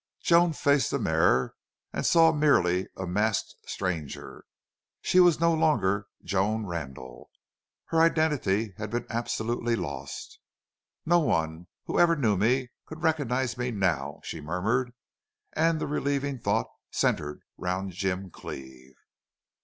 Joan faced the mirror and saw merely a masked stranger. She was no longer Joan Randle. Her identity had been absolutely lost. "No one who ever knew me could recognize me now," she murmured, and the relieving thought centered round Jim Cleve.